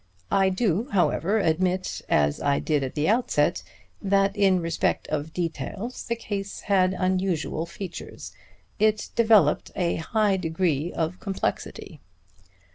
I do, however, admit, as I did at the outset, that in respect of details the case had unusual features. It developed a high degree of complexity."